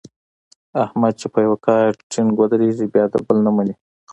احمد چې په یوه کار ټینګ ودرېږي بیا د بل نه مني.